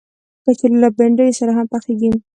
کچالو له بنډیو سره هم پخېږي